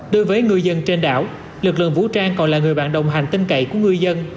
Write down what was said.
đối với ngư dân trên đảo lực lượng vũ trang còn là người bạn đồng hành tinh cậy của ngư dân